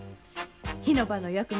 火の番のお役目。